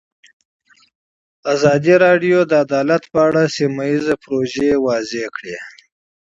ازادي راډیو د عدالت په اړه سیمه ییزې پروژې تشریح کړې.